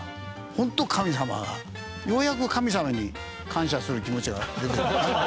ホント神様がようやく神様に感謝する気持ちが出てきました。